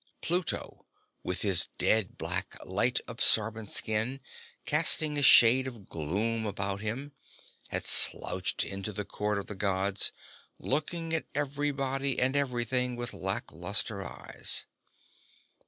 Pluto, with his dead black, light absorbent skin casting a shade of gloom about him, had slouched into the Court of the Gods, looking at everybody and everything with lackluster eyes.